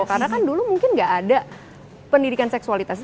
karena kan dulu mungkin gak ada pendidikan seksualitas